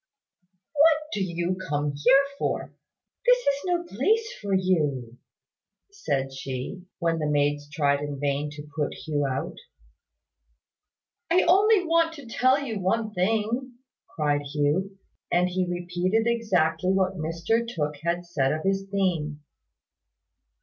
"What do you come here for? This is no place for you," said she, when the maids tried in vain to put Hugh out. "I only want to tell you one thing," cried Hugh; and he repeated exactly what Mr Tooke had said of his theme.